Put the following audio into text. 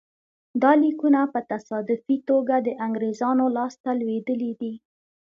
دا لیکونه په تصادفي توګه د انګرېزانو لاسته لوېدلي دي.